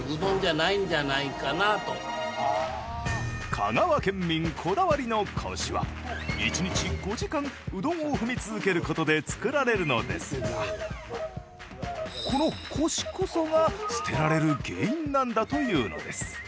香川県民こだわりのコシは一日５時間、うどんを踏み続けることで作られるのですが、このコシこそが捨てられる原因なんだというのです。